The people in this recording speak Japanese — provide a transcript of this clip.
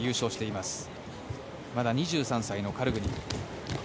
まだ２３歳のカルグニン。